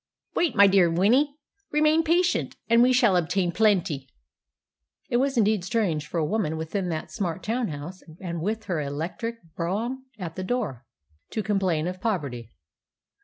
"Wait, my dear Winnie, remain patient, and we shall obtain plenty." It was indeed strange for a woman within that smart town house, and with her electric brougham at the door, to complain of poverty.